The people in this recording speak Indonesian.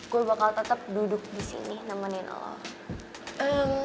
gue bakal tetap duduk di sini nemenin allah